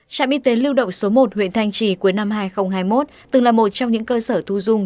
trạm y tế lưu động số một huyện thanh trì cuối năm hai nghìn hai mươi một từng là một trong những cơ sở thu dung